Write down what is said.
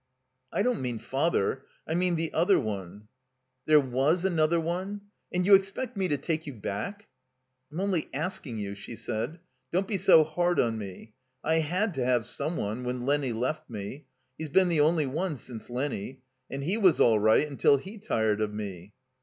"I don't mean Father. I mean the other one." * 'There was another one? And you expect me to take you back?" "I'm only asking you," she said. "Don't be so hard on me. I had to have some one when Lenny left me. He's been the only one since Lenny. And he was all right imtil he tired of me."